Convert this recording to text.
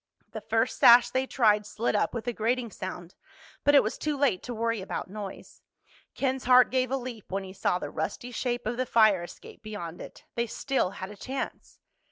The first sash they tried slid up with a grating sound, but it was too late to worry about noise. Ken's heart gave a leap when he saw the rusty shape of the fire escape beyond it. They still had a chance!